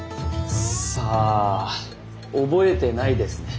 さあ覚えてないですね。